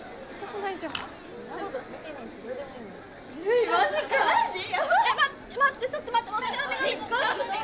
ちょっと待って。